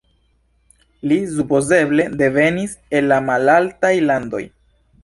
Li supozeble devenis el la Malaltaj Landoj.